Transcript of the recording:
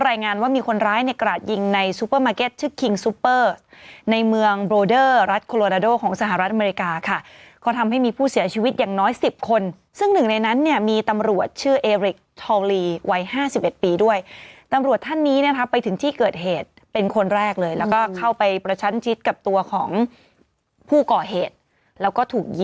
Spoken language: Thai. ได้ในกราดยิงในซูเปอร์มาเก็ตชื่อคิงซูเปอร์ในเมืองบรอเดอร์รัฐโคโลนาโดของสหรัฐอเมริกาค่ะเขาทำให้มีผู้เสียชีวิตอย่างน้อยสิบคนซึ่งหนึ่งในนั้นเนี้ยมีตำรวจชื่อเอริกทอลลีวัยห้าสิบเอ็ดปีด้วยตำรวจท่านนี้นะครับไปถึงที่เกิดเหตุเป็นคนแรกเลยแล้วก็เข้าไปประชันจิตกับตัวข